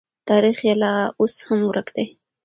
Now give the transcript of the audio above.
تاریخ یې لا اوس هم ورک دی.